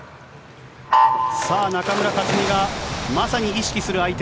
さあ、中村克がまさに意識する相手。